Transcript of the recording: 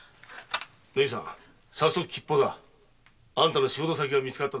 縫さん吉報だあんたの仕事先が見つかったぞ。